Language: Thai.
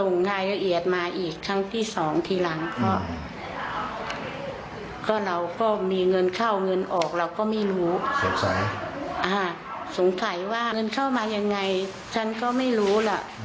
เงินเข้ามายังไงฉันก็ไม่รู้แหละ